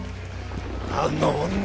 あの女